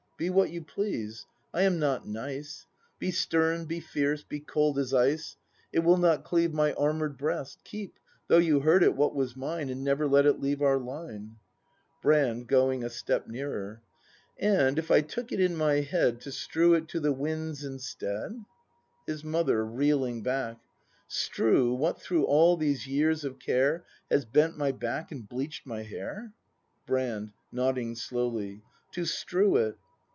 Be what you please; I am not nice. Be stern, be fierce, be cold as ice, It will not cleave my armour'd breast; Keep, though you hoard it, what was mine, And never let it leave our line! Brand. [Goi7ig a step nearer.] And if I took it in my head To strew it to the winds, instead ? His Mother. [Reeling back.] Strew, what through all these years of care Has bent my back and bleach'd my hair? Brand. [Nodding slowly.] To strew it.